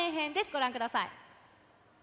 ご覧ください。